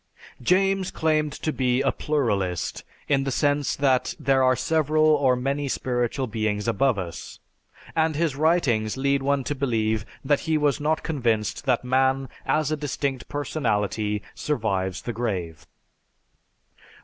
James claimed to be a pluralist in the sense that there are several or many spiritual beings above us, and his writings lead one to believe that he was not convinced that man, as a distinct personality, survives the grave.